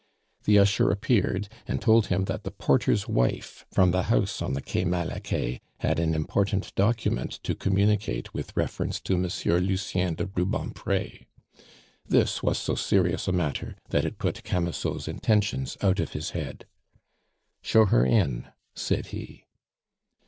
The usher appeared, and told him that the porter's wife, from the house on the Quai Malaquais, had an important document to communicate with reference to Monsieur Lucien de Rubempre. This was so serious a matter that it put Camusot's intentions out of his head. "Show her in," said he.